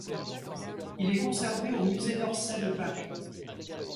Il est conservé au musée d'Orsay de Paris.